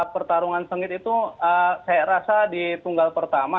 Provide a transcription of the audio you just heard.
pertarungan sengit itu saya rasa di tunggal pertama